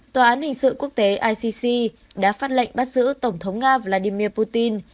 tòa án hình sự quốc tế icc đã phát lệnh bắt giữ tổng thống nga vladimir putin